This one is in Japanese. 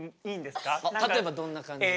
例えばどんな感じで。